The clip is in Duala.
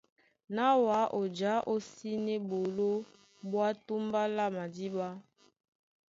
Na wǎ ó ja ó síná á ɓólɔ ɓwá túmbá lá madíɓá.